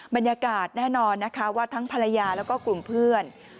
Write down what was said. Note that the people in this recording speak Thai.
บรรยากาศแน่นอนนะคะว่าทั้งภรรยาแล้วก็กลุ่มเพื่อน